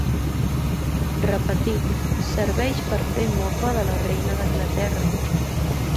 Repetit, serveix per fer mofa de la reina d'Anglaterra.